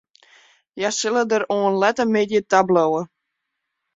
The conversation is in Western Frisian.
Hja sille der oan 'e lette middei ta bliuwe.